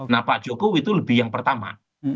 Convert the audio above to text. nah pak jokowi itu lebih yang pertama